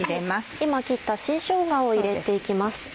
今切った新しょうがを入れて行きます。